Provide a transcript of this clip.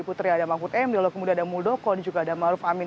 putri ada mahfud md lalu kemudian ada muldoko dan juga ada maruf amin